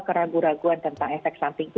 keraguan keraguan tentang efek samping itu